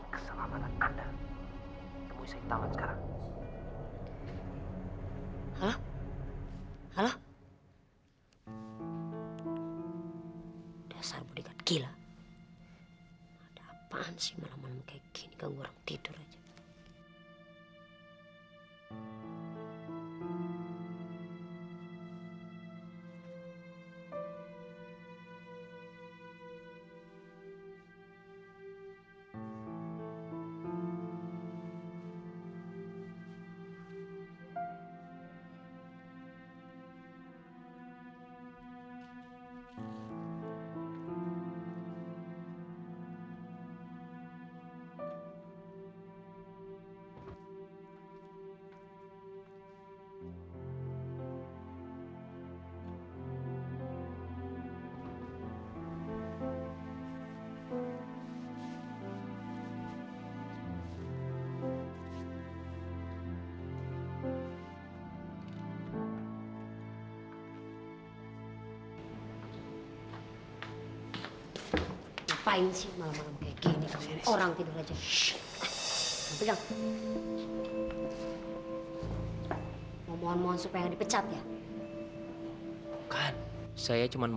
ketangan putri saya clio